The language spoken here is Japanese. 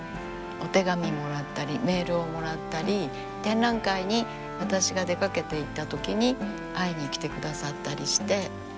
お手紙もらったりメールをもらったり展覧会に私が出かけていったときに会いに来てくださったりして。